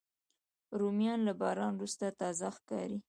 رومیان له باران وروسته تازه ښکاري